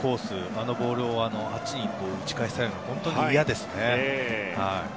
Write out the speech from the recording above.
あのボールをあの方向に打ち返されるのは本当に嫌ですね。